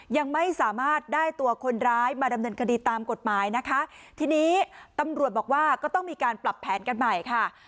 ยังไม่สามารถได้ตัวคนร้ายมาดำเนินคดีตามกฎหมายนะคะทีนี้ตำรวจบอกว่าก็ต้องมีการปรับแผนกันใหม่ค่ะ